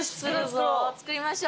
作りましょう。